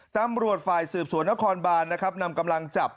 ตำรวจฝ่ายสืบสวนนครบานนะครับนำกำลังจับ